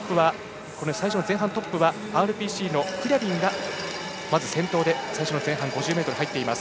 前半トップはＲＰＣのクリャビンがまず先頭で最初の前半５０ｍ入っています。